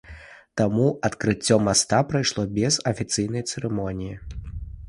Таму адкрыццё моста прайшло без афіцыйнай цырымоніі.